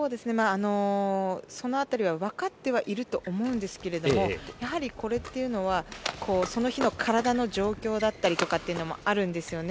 その辺りはわかってはいると思うんですがやはりこれっていうのはその日の体の状況だったりとかもあるんですよね。